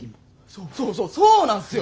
そうそうそうそうなんっすよ。